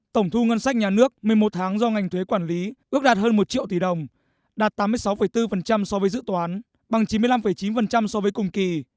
tổng thu ngân sách nhà nước một mươi một tháng do ngành thuế quản lý ước đạt hơn một triệu tỷ đồng đạt tám mươi sáu bốn so với dự toán bằng chín mươi năm chín so với cùng kỳ